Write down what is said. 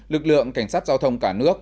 lực lượng cảnh sát giao thông cả nước